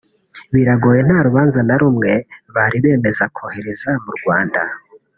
biragoye nta rubanza na rumwe bari bemeza kohereza mu Rwanda